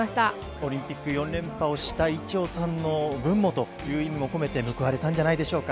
オリンピック４連覇をした伊調さんの分もという意味も込めて、報われたんじゃないでしょうか。